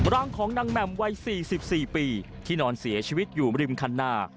ร่างของนางแหม่มวัย๔๔ปีที่นอนเสียชีวิตอยู่ริมคันนา